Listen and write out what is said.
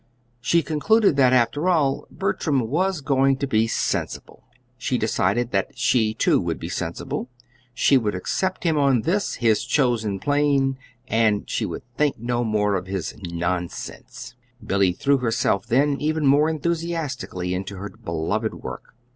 She concluded that, after all, Bertram was going to be sensible. She decided that she, too, would be sensible. She would accept him on this, his chosen plane, and she would think no more of his "nonsense." Billy threw herself then even more enthusiastically into her beloved work.